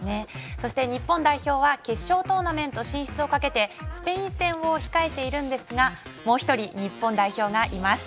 そして日本代表は決勝トーナメント進出をかけてスペイン戦を控えているんですがもう一人、日本代表がいます。